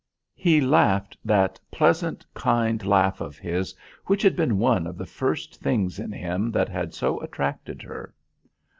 He laughed that pleasant, kind laugh of his which had been one of the first things in him that had so attracted her.